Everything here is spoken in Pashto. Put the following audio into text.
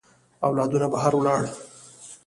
اولادونه بهر ولاړ.